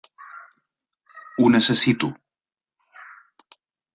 Ho necessito.